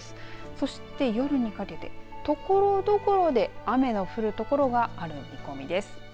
そして夜にかけてところどころで雨の降る所がある見込みです。